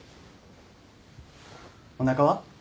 おなかは？